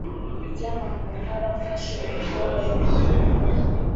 Icyampa nkaba narafashe umukobwa neza.